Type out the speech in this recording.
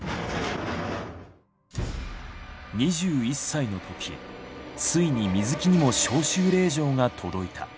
２１歳の時ついに水木にも召集令状が届いた。